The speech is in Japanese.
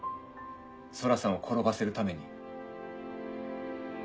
空さんを転ばせるために。